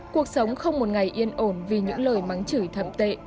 cuộc sống không một ngày yên ổn vì những lời mắng chửi thậm tệ